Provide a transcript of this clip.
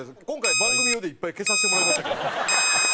今回番組用でいっぱい消させてもらいましたけど。